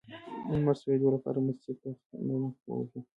د لمر د سوځیدو لپاره مستې په مخ ووهئ